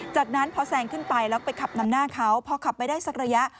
จากนั้นพอแซงขึ้นไปแล้วไปขับนำหน้าเขาพอขับไปได้สักระยะ